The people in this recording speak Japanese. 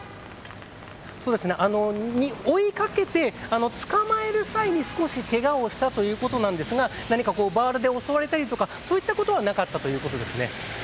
追い掛けて捕まえる際に少しけがをしたということなんですが何かバールで襲われたりとかそういったことはなかったということです。